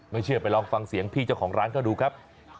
เชื่อไปลองฟังเสียงพี่เจ้าของร้านเขาดูครับ